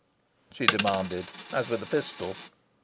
she demanded, as with a pistol.